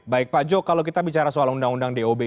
baik pak jo kalau kita bicara soal undang undang dob